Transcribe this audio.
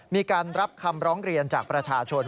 มีการรับคำร้องเรียนจากประชาชน